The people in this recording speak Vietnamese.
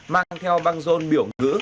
mang theo băng rôn biểu ngữ